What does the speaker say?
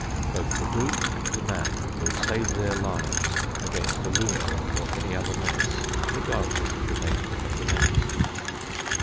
Both the group and the man will save their lives against a lunatic or any other menace, regardless of the nature of the menace.